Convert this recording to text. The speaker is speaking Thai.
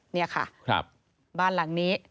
นี่ค่ะบ้านหลังนี้